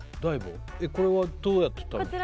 これはどうやって食べるんすか？